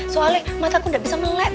soalnya mataku gak bisa melet